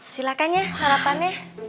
silahkan ya harapannya